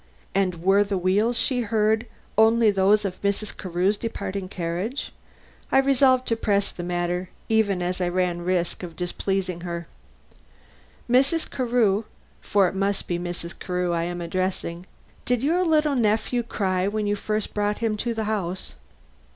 and were the wheels she heard only those of Mrs. Carew's departing carriage? I resolved to press the matter even if I ran the risk of displeasing her. "Mrs. Carew for it must be Mrs. Carew I am addressing did your little nephew cry when you first brought him to the house?"